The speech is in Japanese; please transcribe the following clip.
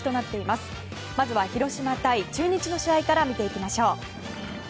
まずは広島対中日の試合から見ていきましょう。